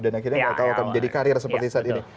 dan akhirnya kalau tau akan menjadi karir seperti saat ini